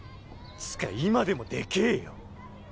つか今でもでけぇよ。